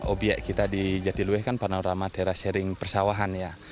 objek kita di jatiluwe kan panorama terasering persawahan ya